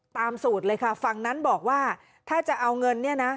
สูตรเลยค่ะฝั่งนั้นบอกว่าถ้าจะเอาเงินเนี่ยนะ